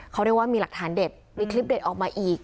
เขาเรียกว่ามีหลักฐานเด็ดมีคลิปเด็ดออกมาอีก